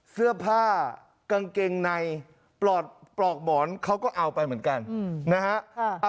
เสื้อผ้ากางเกงในปลอดปลอกหมอนเขาก็เอาไปเหมือนกันนะฮะ